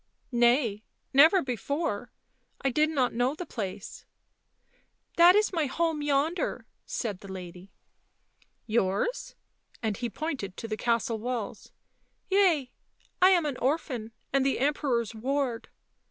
" Nay — never before— I did not know the place." " That is my home yonder," said the lady. " Yours?" and he pointed to the castle walls. " Yea. I am an orphan, and the Emperor's ward."